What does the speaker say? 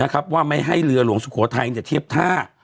ว่าไม่ให้เรือหลวงสุโขทัยเทียบท่า